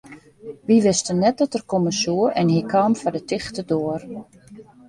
Wy wisten net dat er komme soe en hy kaam foar de tichte doar.